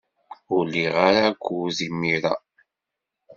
Ur liɣ ara akud imir-a.